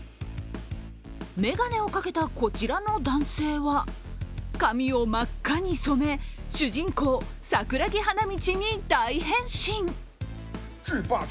眼鏡をかけたこちらの男性は髪を真っ赤に染め主人公、桜木花道に大変身。